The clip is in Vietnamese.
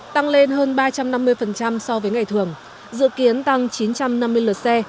tăng lên hơn ba trăm năm mươi so với ngày thường dự kiến tăng chín trăm năm mươi lượt xe